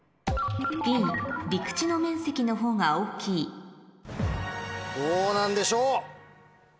Ｂ陸地の面積の方が大きいどうなんでしょう？